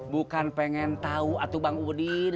bukan pengen tahu atau bang udin